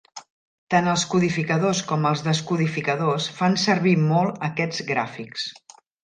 Tant els codificadors com els descodificadors fan servir molt aquests gràfics.